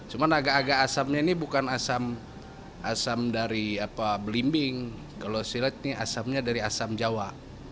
cuman agak agak asamnya ini bukan asam dari belimbing kalau saya lihat ini asamnya dari asam jawa